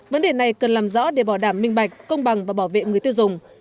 vấn đề này cần làm rõ để bỏ đảm minh bạch công bằng và bảo vệ người tiêu dùng